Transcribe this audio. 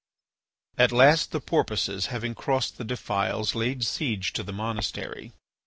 At last the Porpoises, having crossed the defiles, laid siege to the monastery.